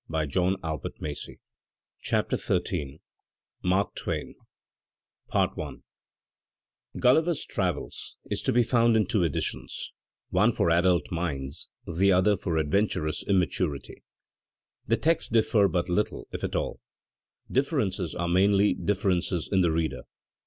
Digitized by Google CHAPTER Xm MARK TWAIN "Gulliver's Travels" is to be found in two editions, one for adult minds, the other for adventurous immaturity. The texts differ but little, if at all; differences are mainly differences in the reader.